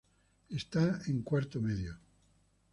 Está en cuarto medio.